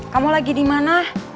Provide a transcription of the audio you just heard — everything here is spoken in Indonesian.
kamu lagi dimana